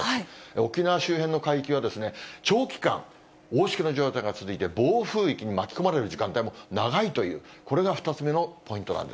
沖縄周辺の海域は、長期間、大しけの状況が続いて、暴風域に巻き込まれる時間帯も長いという、これが２つ目のポイン